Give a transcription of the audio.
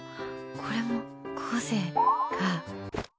これも個性か。